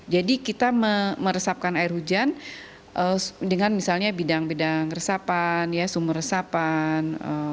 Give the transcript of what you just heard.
jadi kita meresapkan air hujan dengan misalnya bidang bidang resapan sumur resapan